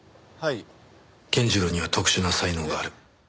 健次郎には特殊な才能がある。